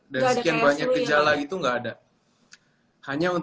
dan sekian banyak gejala itu gak ada